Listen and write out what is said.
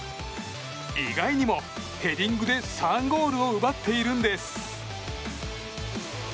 意外にも、ヘディングで３ゴールを奪っているんです。